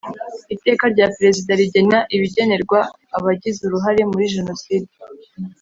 Iteka rya Perezida rigena ibigenerwa abagize uruhare muri genoside